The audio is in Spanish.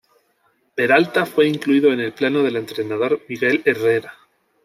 Peralta fue incluido en el plano del entrenador Miguel Herrera.